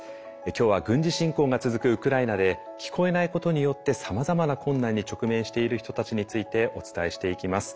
今日は軍事侵攻が続くウクライナで聞こえないことによってさまざまな困難に直面している人たちについてお伝えしていきます。